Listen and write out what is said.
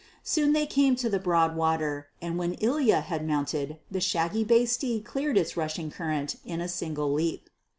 Soon they came to the broad water, and when Ilya had mounted, the shaggy bay steed cleared its rushing current in a single leap.